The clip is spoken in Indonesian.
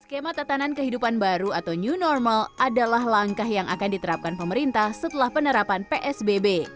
skema tatanan kehidupan baru atau new normal adalah langkah yang akan diterapkan pemerintah setelah penerapan psbb